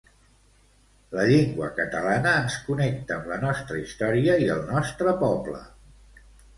La llengua catalana ens connecta amb la nostra història i el nostre poble.